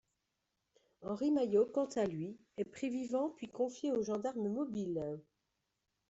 Henri Maillot, quant à lui, est pris vivant puis confié aux gendarmes mobiles.